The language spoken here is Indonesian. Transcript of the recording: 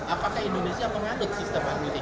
apakah indonesia mengandung sistem agnesia